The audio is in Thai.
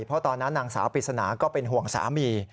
เพราะตอนนั้นนางสาวปริศนาก็เป็นห่วงสามี